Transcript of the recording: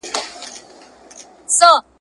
په ویښه او په خوب مي دا یو نوم پر زړه اورېږي !.